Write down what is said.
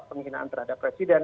penghinaan terhadap presiden